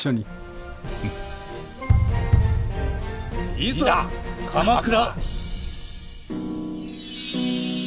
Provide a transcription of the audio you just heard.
いざ鎌倉！